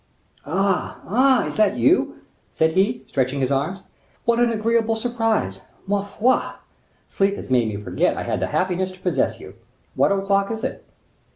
"Ah! ah! is that you?" said he, stretching his arms. "What an agreeable surprise! Ma foi! Sleep had made me forget I had the happiness to possess you. What o'clock is it?"